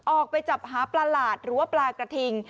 ออกไปจับหาปลาหลาดหรือว่าปลากระทิง